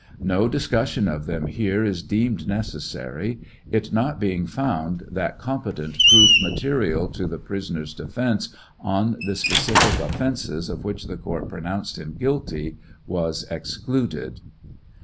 No discussion of them here is deemed necessary, it not being found that competent proof TRIAL OP HENRY WIRZ. 813 material to the prisoner's defence on the specific offences of which the court pronounced him guilty was excluded.